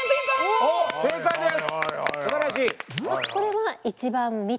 お正解です！